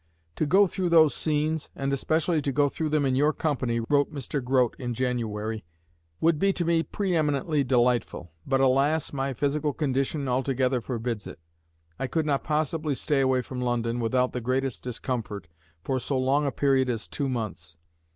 "To go through those scenes, and especially to go through them in your company," wrote Mr. Grote in January, "would be to me pre eminently delightful; but, alas! my physical condition altogether forbids it. I could not possibly stay away from London, without the greatest discomfort, for so long a period as two months.